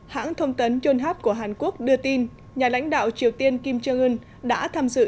hãng thông tấn yonhap của hàn quốc đưa tin nhà lãnh đạo triều tiên kim jong un đã tham dự